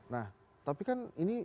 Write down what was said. nah tapi kan ini